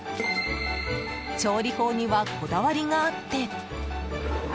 調理法にはこだわりがあって。